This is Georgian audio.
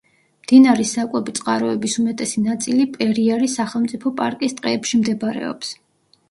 მდინარის საკვები წყაროების უმეტესი ნაწილი პერიარის სახელმწიფო პარკის ტყეებში მდებარეობს.